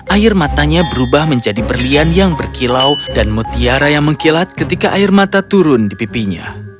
air matanya berubah menjadi berlian yang berkilau dan mutiara yang mengkilat ketika air mata turun di pipinya